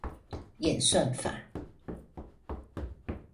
演算法